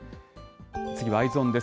次はＥｙｅｓｏｎです。